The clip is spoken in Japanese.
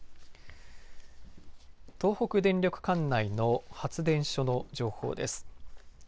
東北電力管内の発電所の情報です。